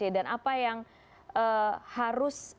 dan apa yang harus